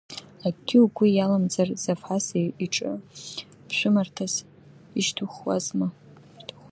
Акгьы угәы иаламзар, Зафас иҿы ԥшәымарҭас ишьҭухуазма?